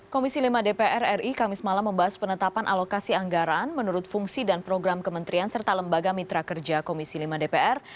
komisi lima dpr ri kamis malam membahas penetapan alokasi anggaran menurut fungsi dan program kementerian serta lembaga mitra kerja komisi lima dpr